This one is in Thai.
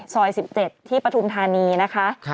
๑๗ที่ปฐุมธานีนะคะ